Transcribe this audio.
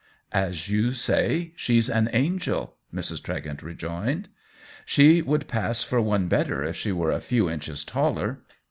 " As you say, she's an angel," Mrs. Tre gent rejoined. "She would pass for one better if she were a few inches taller."